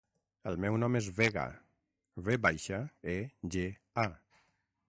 El meu nom és Vega: ve baixa, e, ge, a.